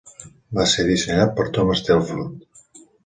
Va ser dissenyat per Thomas Telford.